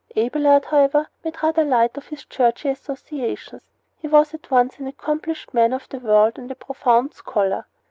Abelard, however, made rather light of his churchly associations. He was at once an accomplished man of the world and a profound scholar.